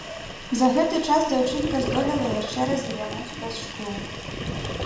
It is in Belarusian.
За гэты час дзяўчынка здолела яшчэ раз глянуць праз шкло.